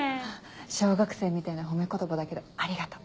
小学生みたいな褒め言葉だけどありがとう。